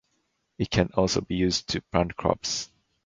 It can also be used to plant crops.